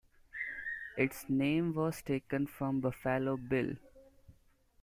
Its name was taken from Buffalo Bill.